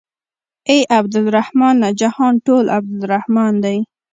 اې عبدالرحمنه جهان ټول عبدالرحمن دى.